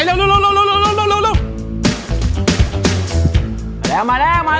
เอามาเอามา